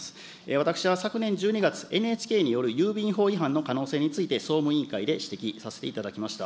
私は昨年１２月、ＮＨＫによる郵便法違反の可能性について総務委員会で指摘させていただきました。